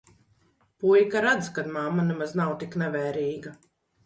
Puika redz, kad mamma nemaz nav tik nevarīga.